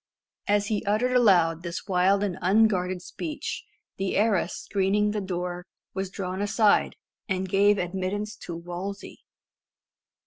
As he uttered aloud this wild and unguarded speech, the arras screening the door was drawn aside, and gave admittance to Wolsey.